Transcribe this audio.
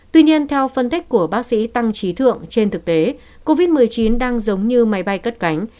tuy nhiên theo phân tích của bác sĩ tăng trí thượng trên thực tế covid một mươi chín đang giống như máy bay cất cánh